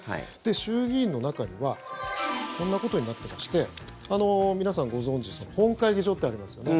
衆議院の中にはこんなことになってまして皆さんご存じ本会議場ってありますよね。